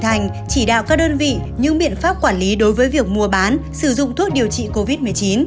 thành chỉ đạo các đơn vị những biện pháp quản lý đối với việc mua bán sử dụng thuốc điều trị covid một mươi chín